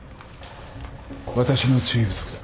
私の注意不足だ。